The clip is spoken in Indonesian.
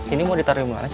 ini mau ditaruh dimana